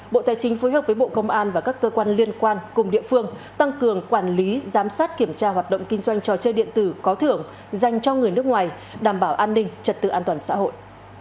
bộ tài chính phối hợp với bộ công an và các cơ quan liên quan cùng địa phương tăng cường quản lý giám sát kiểm tra hoạt động kinh doanh trò chơi điện tử có thưởng dành cho người nước ngoài đảm bảo an ninh trật tự an toàn xã hội